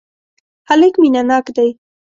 هلک مینه ناک دی.